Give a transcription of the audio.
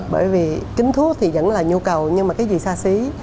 bởi vì kính thuốc thì vẫn là nhu cầu nhưng mà cái gì xa xí